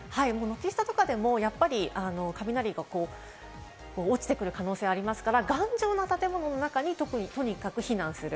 軒下とかでも雷が落ちてくる可能性はありますから頑丈な建物の中にとにかく避難する。